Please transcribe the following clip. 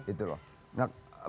itu cuma sempalan